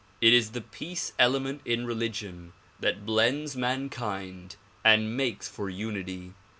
It is the peace ele ment in religion that blends mankind and makes for unity.